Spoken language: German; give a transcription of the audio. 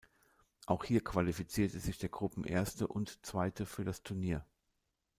Auch hier qualifizierte sich der Gruppenerste und -zweite für das Turnier.